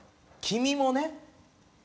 「君もね」。